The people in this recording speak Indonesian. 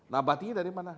nabatinya dari mana